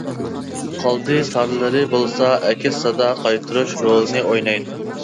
قالدى تارلىرى بولسا ئەكس سادا قايتۇرۇش رولىنى ئوينايدۇ.